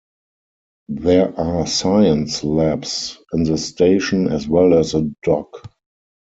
There are science labs in the station, as well as a dock.